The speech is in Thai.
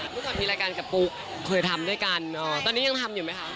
เมื่อก่อนมีรายการกับปุ๊กเคยทำด้วยกันตอนนี้ยังทำอยู่ไหมคะ